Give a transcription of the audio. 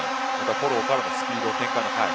フォローからのスピード